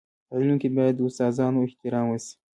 په علم کي باید د استادانو احترام وسي.